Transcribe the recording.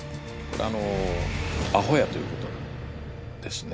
あのアホやということなんですね。